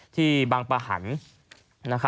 ที่บางประหัน